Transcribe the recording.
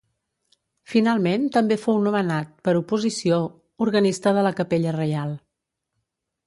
Finalment també fou nomenat, per oposició, organista de la Capella Reial.